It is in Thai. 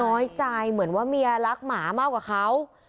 น้อยใจเหมือนว่าเมียรักหมามากกว่าเขา